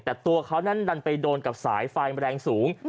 แต่ตัวเขานั้นดันไปโดนกับสายไฟแรงสูง